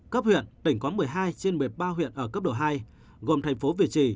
cấp huyện tỉnh có một mươi hai trên một mươi ba huyện ở cấp độ hai gồm thành phố việt trì